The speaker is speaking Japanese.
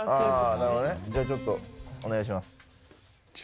あぁなるほどねじゃあちょっとお願いします。